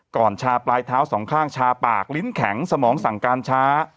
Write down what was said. ชาปลายเท้าสองข้างชาปากลิ้นแข็งสมองสั่งการช้า